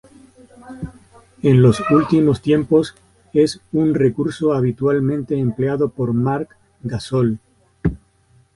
En los últimos tiempos, es un recurso habitualmente empleado por Marc Gasol.